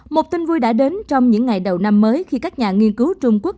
một tin vui đã đến trong những ngày đầu năm mới khi các nhà nghiên cứu trung quốc